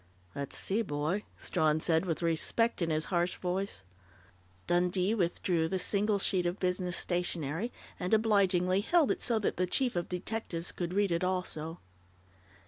"Let's see, boy," Strawn said, with respect in his harsh voice. Dundee withdrew the single sheet of business stationery, and obligingly held it so that the chief of detectives could read it also.